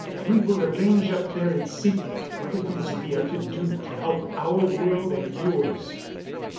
We will arrange, up there in secret, what it is we are to do to help our world and yours."